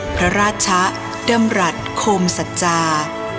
พระราชะเดิมรัฐโคมศัจรา